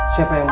siapa yang mau